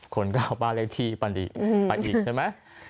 คนก็เอาบ้านเลขที่ปันดิไปอีกใช่ไหม